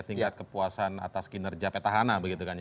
tingkat kepuasan atas kinerja petahana